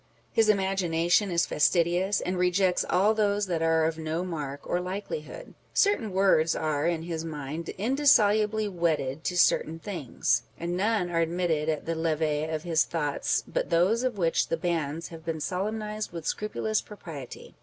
His imagination is fastidious, and rejects all those that are " of no mark or likelihood." Certain words are in his mind indissolubly wedded to certain things ; and none are admitted at the levee of his thoughts but those of which the banns have been solemnised with scrupulous propriety.